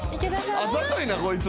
「あざといなこいつ」